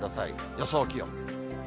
予想気温。